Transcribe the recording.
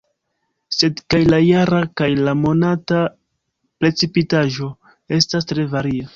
Sed kaj la jara kaj la monata precipitaĵo estas tre varia.